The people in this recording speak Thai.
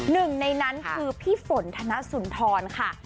หนึ่งในนั้นคือพี่ฝนธนสุนทรค่ะ